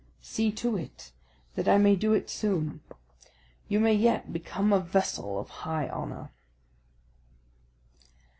See to it, that I may do it soon. You may yet become a vessel of high honour."